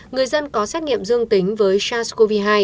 người dân có xét nghiệm dương tính với sars cov hai